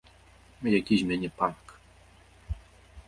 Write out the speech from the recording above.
Які з мяне панк?